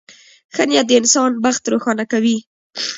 • ښه نیت د انسان بخت روښانه کوي.